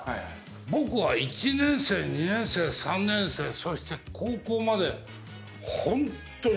僕は１年生２年生３年生そして高校までホントに。